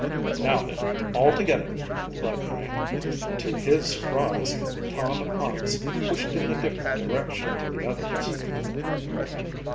"Now then, all together!" cried Frank, but to his surprise Tom and Hans pushed in a different direction to the others.